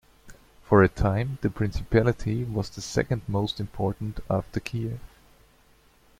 For a time the principality was the second most important after Kiev.